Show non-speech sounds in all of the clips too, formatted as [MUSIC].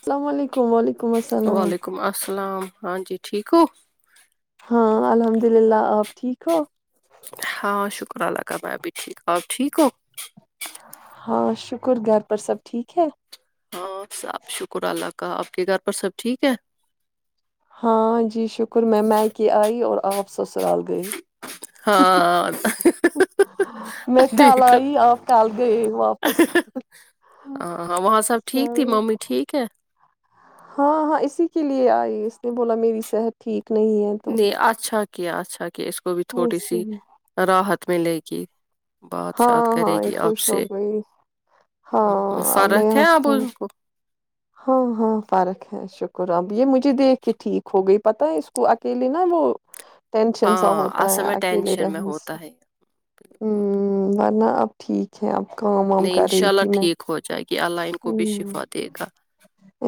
السلام علیکم وعلیکم السلام سلام ہاں جی ٹھیک ہو ہاں الحمد للہ آپ ٹھیک ہو ہاں شک [UNINTELLIGIBLE] شر اللہ کا بھب بھی ٹھیک اور ٹھیک ہو [UNINTELLIGIBLE] ہاں شکر گھر پر سب ٹھیک ہے ہاں صب شکر اللہ کہ آپ کے گھر پر سب ٹھیک ہے ہاں جی شکر میں میں کہ آئی اور آپ سس رال گئے میں کل آئی آپ کل گئے واپس چل ہاں ہاں اسی کے لیے آئی اس نے بولا میری صحت ٹھیک نہیں ہے تو جی اچھا اچھا کیا اچھا [UNINTELLIGIBLE] کہ اس کو بھی تھوڑی اسی سی لیے راحت ملے گی ہاں ہاں یہ خوش ہو گئی ہاں ا میں ہستا ہ ہاں ہاں فارق ہے شکر اب یہ مجھے دیکھ کے ٹھیک ہو گئی پتہ ہے اس کو اکیلے نا وہ ٹینشن سا ہوتا ہے اکیلے رہنے سے ہ ورنہ اب ٹھیک ہے اب کام وام کر رہی تھی میں ہ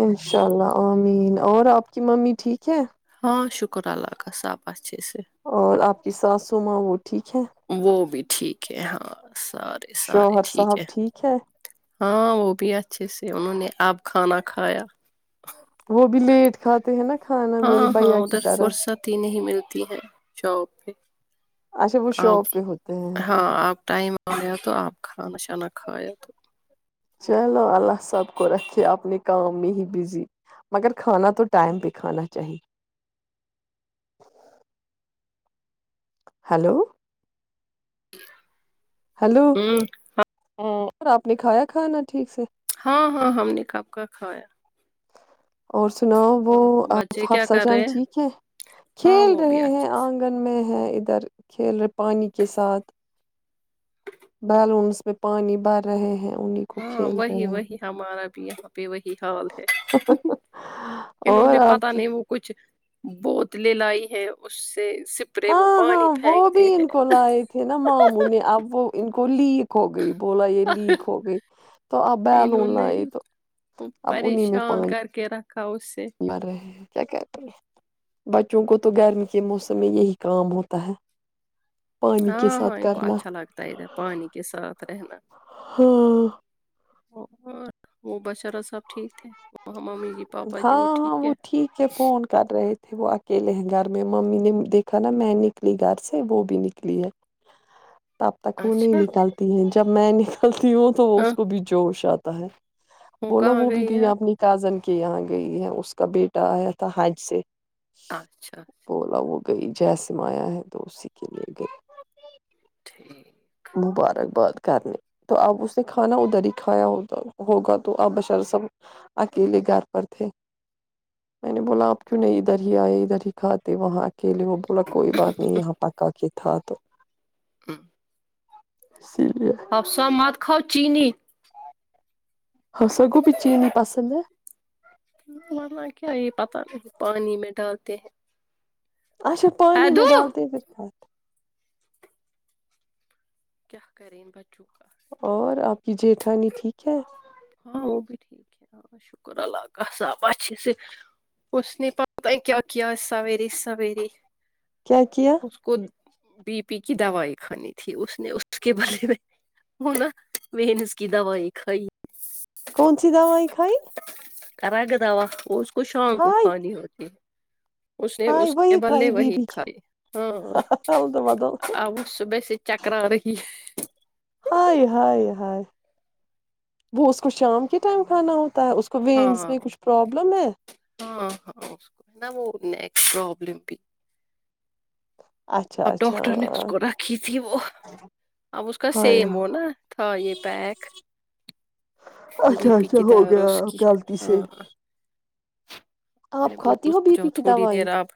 انشاء اللہ اامین اور آپ کی ممی ٹھیک ہے ہاں شکر اللہ کا صح بس اور آپ کی ساس سموٹ [UNINTELLIGIBLE] وہ بھی ٹھیک ہے ہاں سارے سارے ٹھیک ہے ہاں وہ بھی اچھے سے انہوں نے اب کھانا کھایا وہ بھی لیٹ کھاتے ہیں نا کھانا میرے ہاں ہاں بھیا کی ادھر طرح فرصت ہی نہیں ملتی ہے جااب پہ اچھا وہ آپ شاپ پہ ہوتے ہیں ہاں آپ ٹائم آ گیا تو آپ کھانا شانا کھایا تو چلو اللہ صاحب کوور یہ اپنے کا میں ہی بزی مگر کھانا تو ائم پہ کھانا چاہییں ہلو [UNINTELLIGIBLE] [INAUDIBLE] ہلو [UNINTELLIGIBLE] اور آپ نے کھایا کھانا ٹھیک سے ہاں ہاں ہم نے کپ کا کھایا اور سناؤ وہ ا حفسہ جان ٹھیک ہے کھیل رہے ہیں آنگن میں ہے ادھر کھیل رہے پانی کے ساتھ بیلونس میں پانی بھر رہے ہیں انہیں کو ہاں کھیل رہے وہی ہیں وہی ہمارا بھی یہاں پہ وہی حال ہے انہوں اور نے آپ پتا کی نہیں وہ کچھ بوتلیں لائی ہے اس ہاں ہاں وہ بھی ان کو لائے تھے نا ماموں نے اب وہ ان کو بلی ہو گئی بولا یہ لیک ہو گئی تو اپ بیلون لائی تو اب انیں میں پانی بر کیا کہتے ہیں بچوں کو تو گرمی کے موسم میں یہی کام ہوتا ہے پانی کے ہاں ہاں ساتھ ان کو کرنا اچھا لگتا ہے ادھر پانی کے ساتھ رہنا ہاں وہ بچارہ سب ٹھیک ہے وہ ہاں ہاں وہ ٹھیک ہے فون کر رہے تھے وہ اکیلے ہیں گھر میں ممی نے دیکھا نا میں نکلی گھر سے وہ بھی نکلی ہے ت اب تک وہ نہیں نکلتی ہے جب م نے ت ہوں تو وہ اس کو بھی جوش آتی تا ہے بولاو وہ بھی گئی اپنی کازن کہ یہاں گئی ہے اس کا بیٹا آیا تھا حج سے اچھا اچھا بولا وہ گئی جیسم آیا ہے تو اسی کے لیے گئی جی مبارکباد کرنے تو اب اس نے کھانا ادھر ہی کھایا ہو ہوگا تو اب بشر سب اکیلے گھر پر تھے میں نے بولا اپ کیوں نہیں ادھر ہی آئے ادھر ہی کھاتے وہاں کے لیے وہ بولا کوئی بات نہیں یہاں پکا کے تھا تو ہاں اسی لیے ہب سا مات کاؤ چینی ہ سگوپی چینی پسند ہے ما کیا یہ پتہ نہیں پانی میں ڈالتے ہیں اچھا پانیی میں ڈال تبر کات کیا کر بچوں اور آپ کی جٹھانی ٹھیک ہے ہاں وہ بھی ٹھیک ہے ہاں شکر اللہ کااساب ا صر اس نے پت کیا کیا سویری سوییر کیا کیا بی پی کی دوائ کھانی تھی اس نے اس کے بارے میں وہ نا ونس کی دوائی کھائی کون سی دوائیں کھائی کرگد اش خشاں کو ہائے کھانی ہوتی ہے اس نے ہائے اس کے وہی کھائی بلے بی وہی پی کی دھائے ہاں بدل بدل اب صبح سے چکرا رہی ہے ہائے ہائے ہائے وہ اس کو شام کے ٹائم کھانا ہوتا اس کو وینس میں کچھ پرابلم ہے نیکس پروابلم بھی اچھا اب اچھا ڈاکٹر نے اس کو رکھی تھی وہ اب اس کا ہاں سیم ہو یار نا تھا یہ پیک اچھا اچھا ہو گیا غلطی سے آپ کھاتی ہو بی جا پی کی تھوڑی دوائی دیر آپ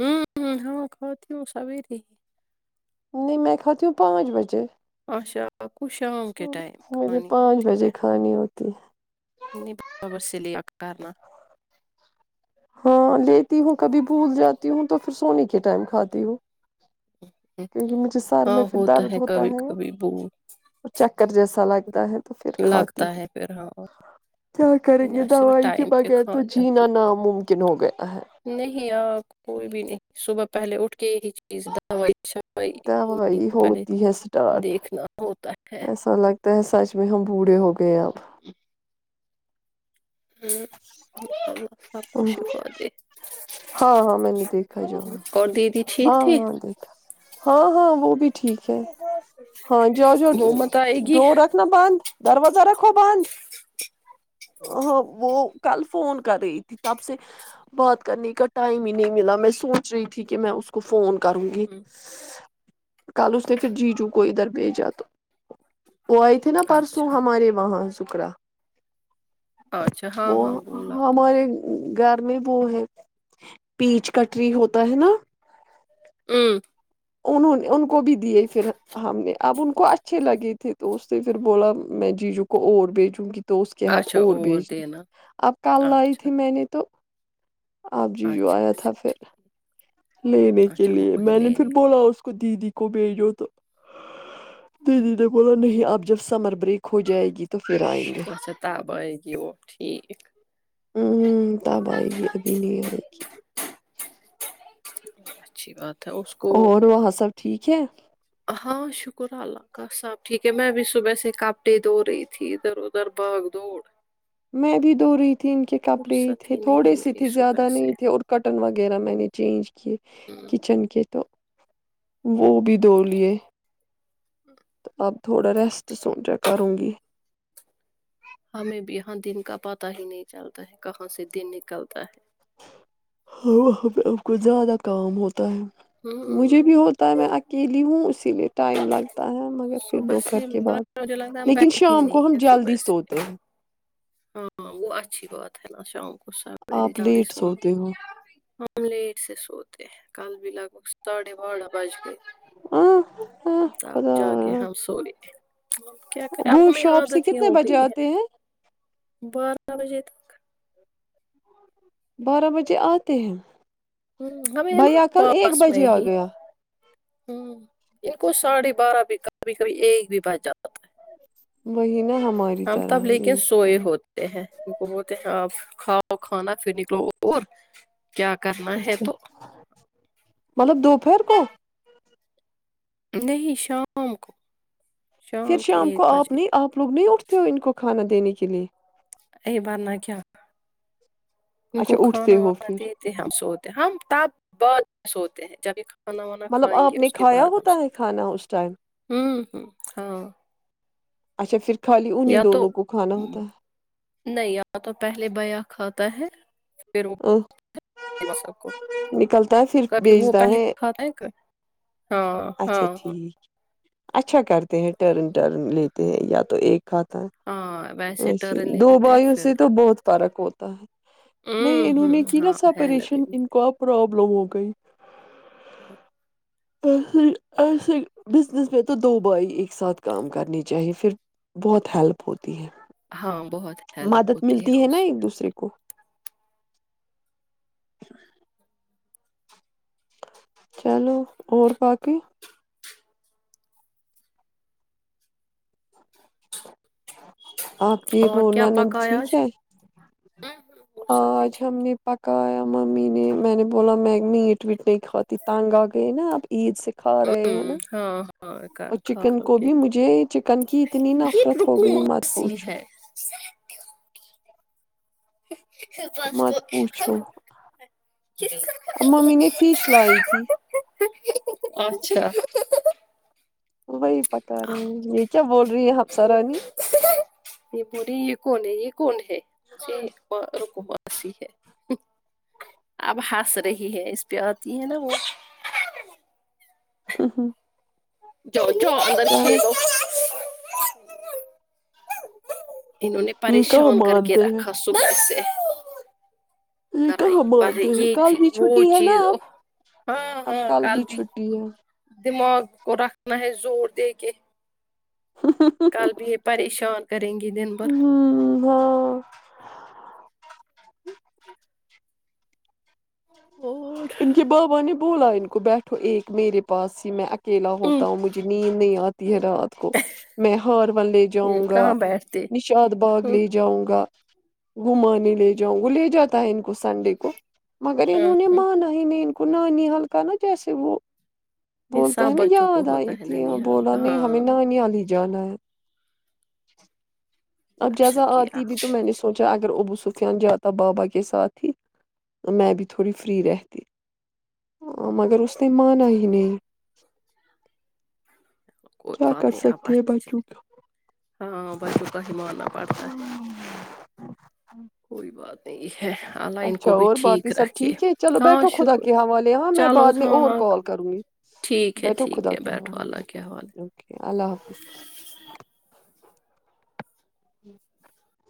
ہ ہ ہاں کھ کیوں سویریے ہی نہیں میں کاتوں پانچ بجے آشا آ کو شام کے ٹائم مجھے کھانی پانچ ہوتی بجے ہے کھانی ہوتی ہے برابر سے لیا کرنا ہاں لیتی ہوں کبھی بھول جاتی ہوں تو پھر سونے کے ٹائم کھاتی ہوں کیونکہ مجھے سر میں پھر درد ہوتا ہے وہ چکر جیسا ل ہے تو پھر کھاتی ہوں کیا کریں گے دوائی کے بغیر تو جینا ناممکن ہو گیا ہے نہیں آ کوئی بھی نہیں صبح پہلے اٹھ کے یہ چیز دوائی دوائی ے ہوتی ہے اسٹارٹ دیکھنا ہوتا ہے ایسا لگتا سچ میں ہم بوڑھے ہو گئے اب ہاں ہاں میں نے دیکھا جو ہاں ہاں دیکھا ہاں ہاں وہ بھی ٹھیک ہے ہاں جؤ جو ڈور رکھنا بند دروازہ رکھو بند وہ کل فون کر رہی تھی تب سے بات کرنے کا ٹائم ہی نہیں ملا میں سوچ رہی تھی کہ میں اس کو فون کروں گی کال اس نے پھر جی جوو کو ادھر بھیجا تو وہ آئی تھی نا پرسوں ہمارے وہاں سے شکرا وہ ہمارے گھر میں وہ ہے پیچ کٹری ہوتا ہے نا ہوں ان ان کو بھی دیے پھر ہم نے اب ان کو اچھے لگے تھے تو اس نے پھر بولا میں جیجو کو اور بھیجوں گی تو اس کے ہاتھ اور بیجنا اب کل لائی تھی میں نے تو آپ جی جو آیا تھا پھر لینے کے لیے میں نے پھر بولا اس کو کو دیدی کو بھیجو تو ت دی د کولا نہیں آپ جب سمر بریک ہو جائے گی تو پھر آئیں گے ہ تب آئے گی ابھی نہیں آئے گی ج اچھی بات اور وہاں سب ٹھیک ہے ہاں شکر اللہ کا سب ٹھیک ہے میں بھی صبح سے کپڑے دو رہی تھی ادھر ادھر باغ دوڑ میں بھی د رہی تھی ان کے کپڑے ہی تھے تھوڑے سے تھے زیادہ نہیں تھے اور کٹن وغیرہ میں نے چینج کیے کچن کے تو وہ بھی دوڑ لیے تو اب تھوڑا ریسٹ سمچا کروں گی ہمیں بھی یہاں دن کا پتا ہی نہیں چلتا ہے کہاں سے دن نکلتا ہے ہاں وہاں پہ اب کچ زیادہ کام ہوتا مجھے بھی ہوتا ہے میں اکیلی ہوں اسی لیے ائم لگ تا ہے مگر پھر دوپہر کے بعد لیکن شام کو ہم جلدی سوتے ہیں ہاں ہاں وہ اچھی بات ہے نا شام کو سویر آپ جلدی لیٹ سناو سوتے ہو ہم لیٹ سے سوتے ہیں کل بھی لگ بگ ساڑھے بھہ بج ب آہ، آہ، تب خدا جا کے ہم سوری وہ شاپ سے کتنے بجے آتے ہیں بارہ بجے تک بارہ بجے آتے ہیں ہ ہمیں ہے نا بھیا کل ایک پاس میں بجے آ ہی گیا ہ ان کو ساڑھے بارہ بھی کبھی کبھی ایک بھی بچ جاتا ہے وہی نا ہم ہم تب لیکن سوئے ہوتے ہیں کو بولتے ہیں آپ کھاؤ کھانا پھر نکلو اور اچھا مطلب دو پھر [UNINTELLIGIBLE] کو [UNINTELLIGIBLE] نہیں شام کو پھر شام کو آپ نہیں آپ لوگ نہیں اٹھتے ہو ان کو کھانا دینے کے لیے [UNINTELLIGIBLE] ایی بار نہ کیا ان کو اچھا کھانا اٹھتے ہو وانا پھر دیتے ہم سو ہم تپ بہت سوتے ہیں جبھی کھانا وانا مطلب کھائیں گے آپ نے اس کے کھایا بعد ہم ہوتا سب ہے کھانا اس ٹائم ہ ہ ہاں اچھا پھر خالی انہیں یا تو دونوں کو کھانا ہوتا ہے نہیں یا تو پہلے بیا کھاتا ہے ا پب نکلتا ہے پھر کبھی وہ بیچتا پہلے ہے کھاتا ہے ہاں اچھا ہاں ہاں ٹھیک اچھا کرتے ہیں ٹرن ٹرن لیتے ہیں یا تو ایک کھاتا ہے اھا دو بھائیوں سے تو بہت فرق ہوتا ہے نہیں انہوں نے کی نا سا پریشان ان کو پرابلم ہو گئی [INAUDIBLE] سے ایسے بزنس میں تو دو بائی ایک ساتھ کام کرنی چاہیے پھر بہت ہیلپ ہوتی ت ہے [UNINTELLIGIBLE] ہاں بہت ہیلپ مدد ہوتی ہے ملتی اس نا ایک میں دوسرے [INAUDIBLE] چلو [INAUDIBLE] اور باقی آپ وہونانند ٹھیک ہے آج ہم نے پک کایا ممی نے میں نے بولا میں میٹ ویٹ نہیں کھاتی تانگ آ گئی نا آپ عید سے کھا رہے ہیں نا اور چکن کو بھی مجھے چکن کی اتنی نفرت ہو گئی مت پوھو [INAUDIBLE] مت پوچھو ممی نے فیش لائی تھی اچھا وہی پک رہے ہیں یہ کیا بول رہی ہیں ہپسرانی یہ پورے یہ کون ہے یہ کون ہے اس رکواسی ہے اب ہنس رہی ہے اس پہ آتی ہے نا وہ ہاں [INAUDIBLE] کھوں اندر کھیلو اننہوں نے یہ کہاں پریشان کر کے مانتے ہیں رکھا سے یہ کہاں مانتے ہیں کل بھی چھٹی ہے نا اب اب کل بھی چھٹی ہے دماغ کو رکھنا ہے زور دے کے کل پریشان کریں گی دن بھر ہوں ہ [INAUDIBLE] ان کے بابا نے [UNINTELLIGIBLE] بولا ان کو بیٹھو ایک میرے پاس ہی میں اکیلا ہوتا مجھے نیند نہیں یاد ہے رات کو میں ہارون لے جاؤں گا نشاد باغ لے جاؤں گا گھمانے لے جاؤں وہ لے جاتا ہے ان کو سنڈے کو مگر انہوں نے مانا ہی م کنوانی حلقہ نا جیسے وہ بولتا ہے نا یاد آئی تھی بولا نہیں ہمیں نہ نہیں آ لی ج جانا ہے [UNINTELLIGIBLE] [INAUDIBLE] اب جزا آتی بھی تو میں نے سوچا اگر ابو سفیان جاتا بابا کے ساتھ تھی میں بھی تھوڑی فری رہتی مگر اس نے مانا ہی نہیں کوئی کیا کر بات نہیں آ سکتے ہیں ب بچوں کا ہاں بچوں کا ماننا پڑتا ہے کوئی بات [UNINTELLIGIBLE] اچھا اور باقی سب ٹھیک ہے چلو بیٹھو خدا کے حوالے ہاں میں بعد میں اور کال کروں گی بیٹھو خدا کے حالے بیٹھ اللہ حافظ [UNINTELLIGIBLE] ہی [UNINTELLIGIBLE]